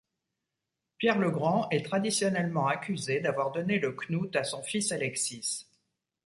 Pierre le Grand est traditionnellement accusé d'avoir donné le knout à son fils Alexis.